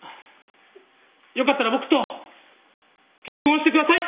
よかったら僕と結婚してください！